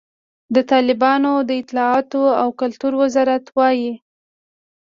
د طالبانو د اطلاعاتو او کلتور وزارت وایي،